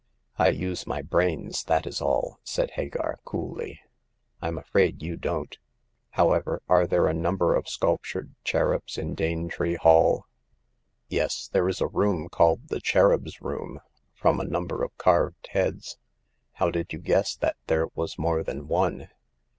I use my brains, that is all," said Hagar, coolly. " Fm afraid you don't. However, are there a number of sculptured cherubs in Dane tree Hall ?"" Yes ; there is a room called * The Cherubs' Room,' from a number of carved heads. How did you guess that there was more than one